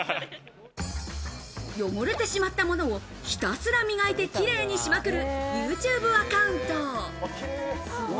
汚れてしまったものをひたすら磨いて綺麗にしまくるＹｏｕＴｕｂｅアカウント。